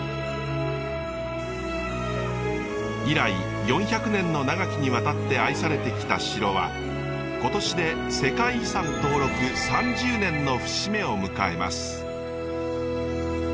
以来４００年の長きにわたって愛されてきた城は今年で世界遺産登録３０年の節目を迎えます。